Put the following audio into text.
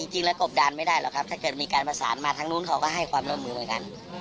จริงแล้วกบดานไม่ได้หรอกครับถ้าเกิดมีการประสานมาทางนู้นเขาก็ให้ความร่วมมือเหมือนกัน